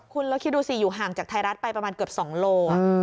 คุณแล้วคิดดูสิอยู่ห่างจากไทยรัฐไปประมาณเกือบ๒โล